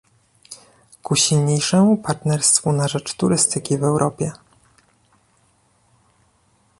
ku silniejszemu partnerstwu na rzecz turystyki w Europie